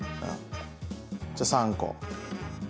じゃあ３個。